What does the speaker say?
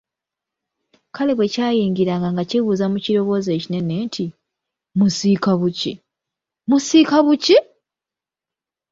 Kale bwekyayingiranga nga kibuuza mu kiroboozi ekinene nti, “musiika buki, musiika buki?